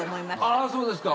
ああそうですか。